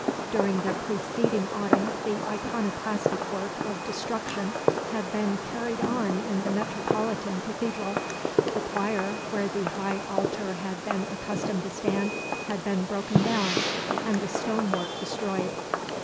During the preceding autumn the iconoclastic work of destruction had been carried on in the metropolitan Cathedral; the choir, where the high altar had been accustomed to stand, had been broken down and the stone work destroyed.